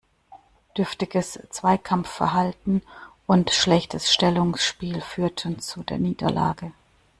Dürftiges Zweikampfverhalten und schlechtes Stellungsspiel führten zu der Niederlage.